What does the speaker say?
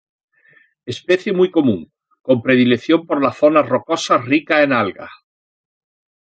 Especie muy común, con predilección por las zonas rocosas ricas en algas.